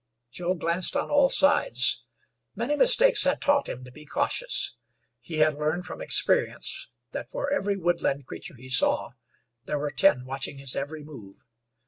Joe glanced on all sides. Many mistakes had taught him to be cautious. He had learned from experience that for every woodland creature he saw, there were ten watching his every move.